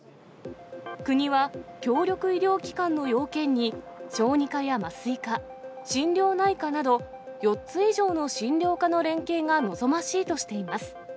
国は協力医療機関の要件に、小児科や麻酔科、心療内科など、４つ以上の診療科の連携が望ましいとしています。